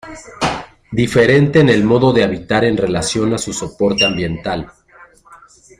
Diferente en el modo de habitar en relación a su soporte ambiental.